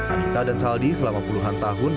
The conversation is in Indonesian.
anita dan saldi selama puluhan tahun